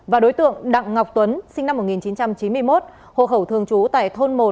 và đối tượng đặng ngọc tuấn sinh năm một nghìn chín trăm chín mươi một hộ khẩu thường trú tại thôn một